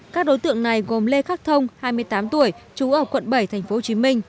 các đối tượng này gồm lê khắc thông hai mươi tám tuổi trú ở quận bảy tp hcm